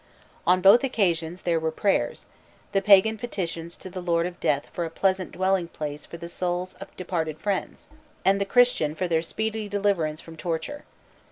On both occasions there were prayers: the pagan petitions to the lord of death for a pleasant dwelling place for the souls of departed friends; and the Christian for their speedy deliverance from torture.